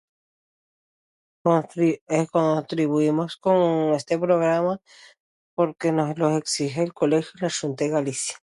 (...) contribuimos con este programa porque nos lo exige el colegio de la (...) Galicia